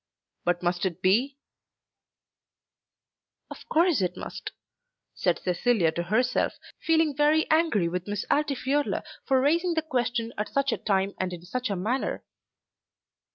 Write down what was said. But must it be?" "Of course it must," said Cecilia to herself, feeling very angry with Miss Altifiorla for raising the question at such a time and in such a manner.